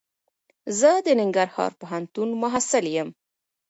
زه دننګرهار پوهنتون محصل یم.